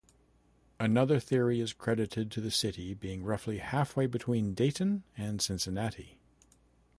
Another theory is credited to the city being roughly halfway between Dayton and Cincinnati.